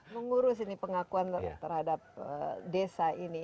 mengurus ini pengakuan terhadap desa ini